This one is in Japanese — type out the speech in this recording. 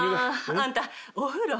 あんたお風呂。